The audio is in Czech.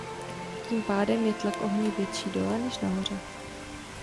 Tím pádem je tlak ohně větší dole než nahoře.